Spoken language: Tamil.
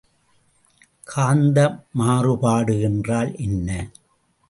காந்த மாறுபாடு என்றால் என்ன?